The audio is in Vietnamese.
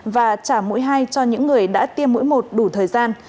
và trả mũi hai cho những người đã tiêm mũi một đủ thời gian